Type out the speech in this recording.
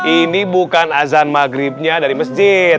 ini bukan azan maghribnya dari masjid